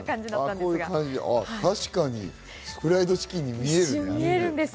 確かにフライドチキンに見えるね。